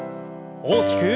大きく。